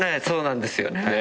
そうなんですよね。